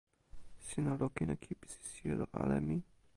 sina lukin e kipisi sijelo ale mi?